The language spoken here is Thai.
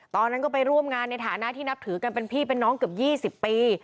ตอนนั้นก็ไปร่วมงานในฐานะที่นับถือกันเป็นพี่เป็นน้องเกือบ๒๐ปี